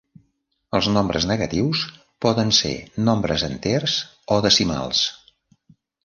Els nombres negatius poden ser nombres enters o decimals.